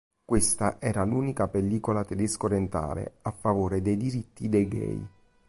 Questa era l'unica pellicola tedesco-orientale a favore dei diritti dei gay.